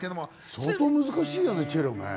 相当難しいよね、チェロね。